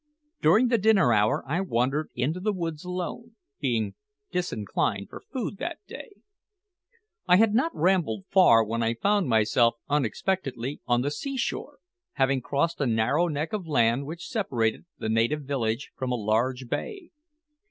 During the dinner hour I wandered into the woods alone, being disinclined for food that day. I had not rambled far when I found myself unexpectedly on the seashore, having crossed a narrow neck of land which separated the native village from a large bay.